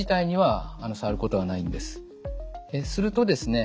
するとですね